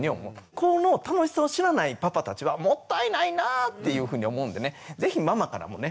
この楽しさを知らないパパたちはもったいないなぁっていうふうに思うんでね是非ママからもね